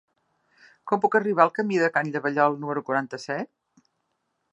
Com puc arribar al camí de Can Llavallol número quaranta-set?